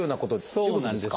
そうなんですね。